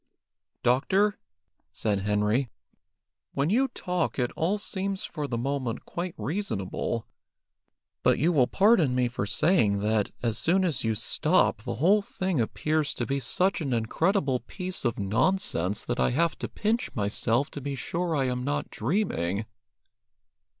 "Doctor," said Henry, "when you talk it all seems for the moment quite reasonable, but you will pardon me for saying that, as soon as you stop, the whole thing appears to be such an incredible piece of nonsense that I have to pinch myself to be sure I am not dreaming."